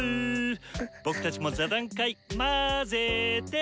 僕たちも座談会まぜて！